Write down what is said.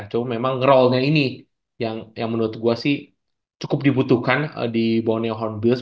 cuma memang rollnya ini yang menurut gue sih cukup dibutuhkan di bawah neon horned bills